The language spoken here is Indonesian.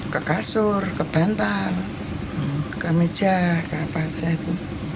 ke kasur ke bantar ke meja ke apa aja itu